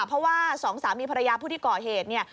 เพราะว่าสองสามีภรรยาผู้ที่ก่อเหตุเนี่ย